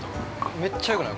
めっちゃよくない？